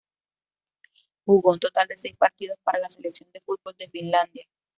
Jugó un total de seis partidos para la selección de fútbol de Finlandia.